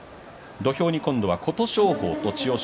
土俵に琴勝峰と千代翔